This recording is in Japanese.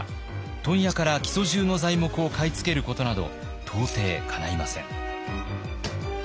問屋から木曽じゅうの材木を買い付けることなど到底かないません。